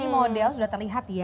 ini model sudah terlihat ya